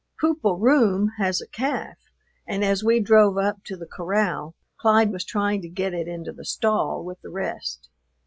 "Poop o' Roome" has a calf, and as we drove up to the corral Clyde was trying to get it into the stall with the rest.